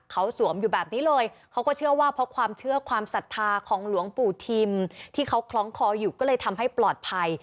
เขาสวมอยู่แบบนี้เลยเขาก็เชื่อว่าเพราะความเชื่อความศรัทธาของหลวงปู่ทิมที่เขาคล้องคออยู่ก็เลยทำให้ปลอดภัย